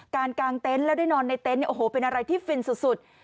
กางเต็นต์แล้วได้นอนในเต็นต์เนี่ยโอ้โหเป็นอะไรที่ฟินสุด